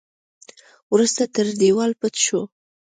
وروسته تر دېوال پټ شو.